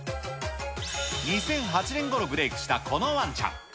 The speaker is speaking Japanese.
２００８年ごろブレークしたこのワンちゃん。